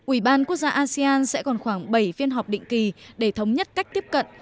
ủy ban quốc gia asean sẽ còn khoảng bảy phiên họp định kỳ để thống nhất cách tiếp cận